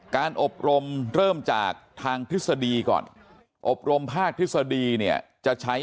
การอบรมเริ่มจากทางทฤษฎีก่อนอบรมภาคทฤษฎีเนี่ยจะใช้